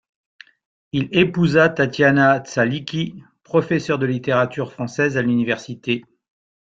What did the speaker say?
Il épousa Tatiana Tsaliki, professeur de littérature française à l'université.